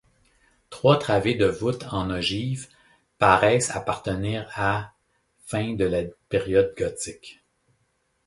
Trois travées de voûtes en ogives, paraissent appartenir à fin de la période gothique.